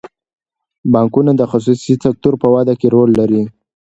بانکونه د خصوصي سکتور په وده کې رول لري.